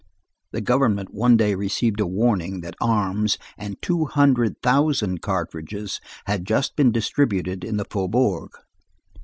The government one day received a warning that arms and two hundred thousand cartridges had just been distributed in the faubourg.